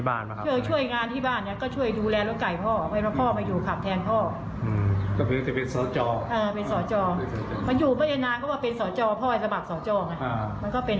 มันก็เป็นเพื่อนที่เป็น